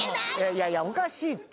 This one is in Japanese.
いやいやおかしいって。